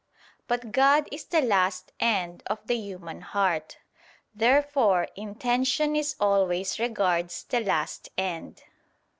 But God is the last end of the human heart. Therefore intention is always regards the last end.